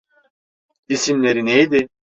İsimleri neydi?